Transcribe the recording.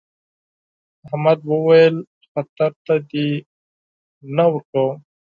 احمد وويل: خطر ته دې نه ورکوم.